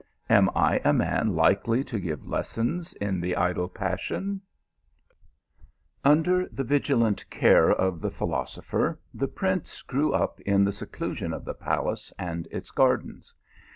Am I a man likely to give lessons in the idle passion ?" Under the vigilant care of the philosopher, the prince grew up in the seclusion of the palace and its gardens.